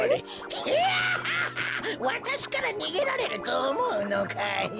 ヒャハハわたしからにげられるとおもうのかい？」。